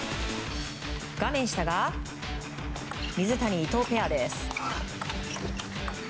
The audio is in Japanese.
画面下が水谷、伊藤ペアです。